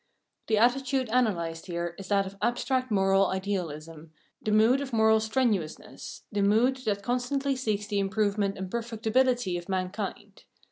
The attitude analysed here is that of abstract moral idealism, the mood of moral strenuousness, the mood that constantly seeks the improvement and perfectibility of mankind.